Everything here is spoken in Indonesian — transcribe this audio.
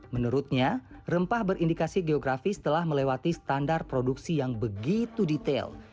menurutnya rempah berindikasi geografis telah melewati standar produksi yang begitu detail